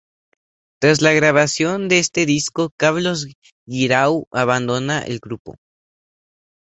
Tras la grabación de este disco, Carlos Guirao abandona el grupo.